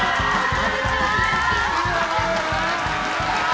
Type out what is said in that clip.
こんにちは。